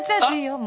もう！